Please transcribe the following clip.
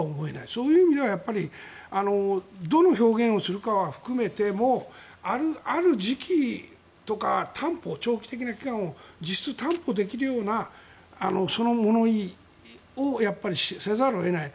そういう意味ではどの表現をするかを含めてもある時期とか担保長期的な期間を実質担保できるようなその物言いをせざるを得ない。